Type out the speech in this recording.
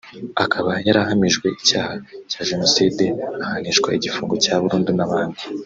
akaba yarahamijwe icyaha cya Jenoside ahanishwa igifungo cya burundu n’abandi